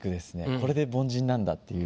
これで凡人なんだっていう。